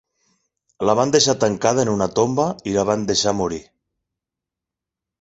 La van deixar tancada en una tomba i la van deixat morir.